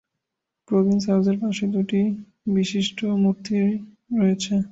Province হাউজের পাশে দুটি বিশিষ্ট মূর্তি রয়েছে।